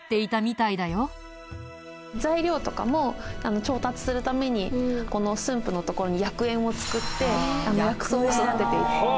材料とかも調達するためにこの駿府の所に薬園を作って薬草を育てていた。